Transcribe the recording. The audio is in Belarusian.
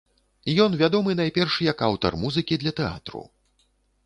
Ён вядомы найперш як аўтар музыкі для тэатру.